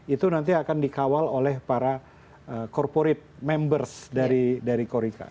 itu nanti akan dikawal oleh para corporate members dari korika